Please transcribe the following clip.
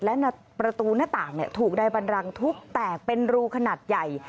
และประตูหน้าต่างถูกนายบันรังทุบแตกเป็นรูขนาดใหญ่